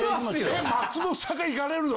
え松本さんが行かれるの？